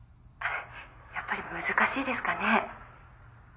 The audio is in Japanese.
やっぱり難しいですかね？